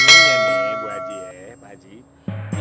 tidak boleh minum ya bu haji ya pak haji